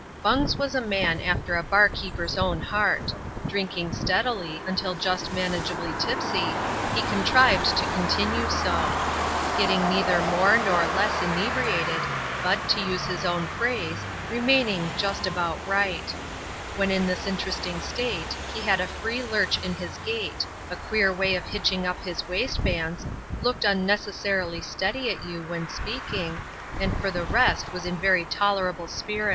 Bungs was a man after a bar keeper's own heart. Drinkmg steadily, until just manageably tipsy, he contrived to confiBve so ; getting neither more nor less inebriated, but, to use his own phrase, remaining "just about right." When in this interesting state, he had a free lurch in his gait, a queer way of hitching up his waistbands^ looked unnecessarily steady at you when speaking, and for the rest, was in very \.c\fcx^\<i «^Yc\\a» At CHAP. XV.